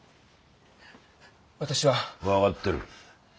私は。分かってる。